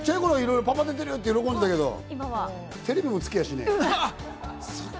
パパ出てるって喜んでたけど、今はテレビもつけやしねぇ。